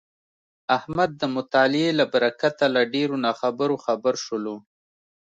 احمد د مطالعې له برکته له ډېرو ناخبرو خبر شولو.